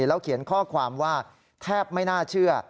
แล้วเขียนข้อความว่าแทบไม่น่าเชื่อ